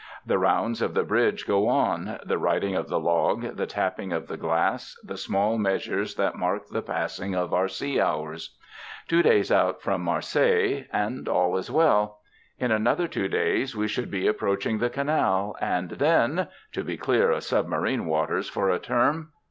The rounds of the bridge go on the writing of the log, the tapping of the glass, the small measures that mark the passing of our sea hours. Two days out from Marseilles and all well! In another two days we should be approaching the Canal, and then to be clear of 'submarine waters' for a term.